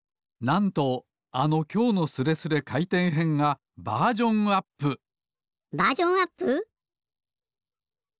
なんとあの「きょうのスレスレかいてんへん」がバージョンアップバージョンアップ！？